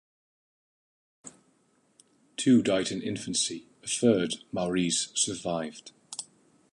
Two died in infancy; a third, Maurice, survived.